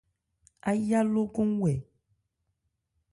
Áyá lókɔn wɛ.